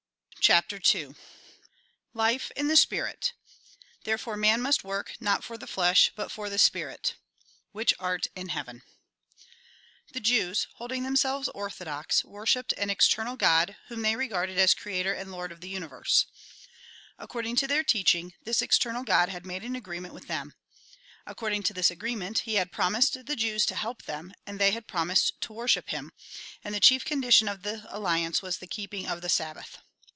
CHAPTEE II LIFE IN THE SPIRIT Therefore man must work, not for the flesh, but for the spirit ("Mbicb art in beavcn") The Jews, holding themselves orthodox, worshipped an external God, whom they regarded as Creator and Lord of the Universe. According to their teaching, this external God had made an agree ment with them. According to this agreement, he had promised the Jews to help them, and they had promised to worship him ; and the chief condition of the alliance was the keeping of the Sabbath.